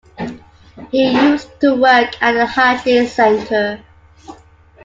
He used to work at the Hadley Centre.